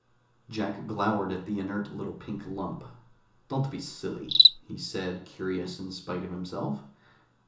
Jack glowered at the inert little pink lump. "Don't be silly," he said, curious in spite of himself.